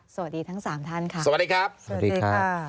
สวัสดีทั้งสามท่านค่ะสวัสดีครับสวัสดีค่ะ